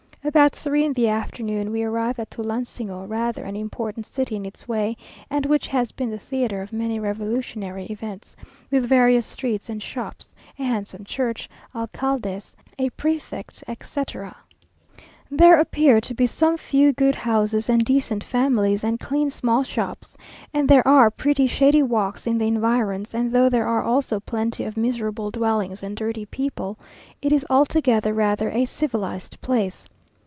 About three in the afternoon we arrived at Tulansingo, rather an important city in its way, and which has been the theatre of many revolutionary events; with various streets and shops, a handsome church; alcaldes, a prefect, etc. There appear to be some few good houses and decent families, and clean, small shops, and there are pretty, shady walks in the environs; and though there are also plenty of miserable dwellings and dirty people, it is altogether rather a civilized place.